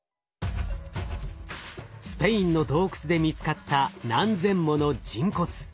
スペインの洞窟で見つかった何千もの人骨。